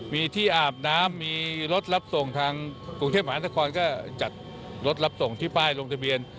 มีที่อาบน้ำมีรถรับส่งทางกรุงเทพมหานครก็จัดรถรับส่งที่ป้ายลงทะเบียน